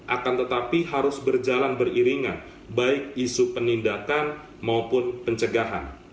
akan tetapi harus berjalan beriringan baik isu penindakan maupun pencegahan